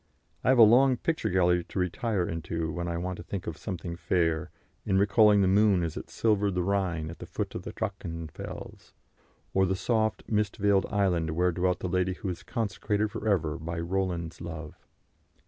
I have a long picture gallery to retire into when I want to think of something fair, in recalling the moon as it silvered the Rhine at the foot of Drachenfels, or the soft, mist veiled island where dwelt the lady who is consecrated for ever by Roland's love.